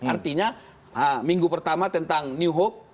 artinya minggu pertama tentang new hope